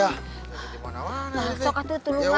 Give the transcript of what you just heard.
amat di belakang kepala